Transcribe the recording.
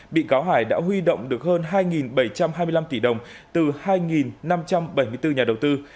bị cáo hải đã huy động được hơn hai bảy trăm hai mươi năm tỷ đồng từ hai năm trăm bảy mươi bốn nhà đầu tư